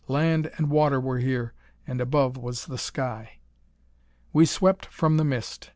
Land and water were here, and above was the sky. We swept from the mist.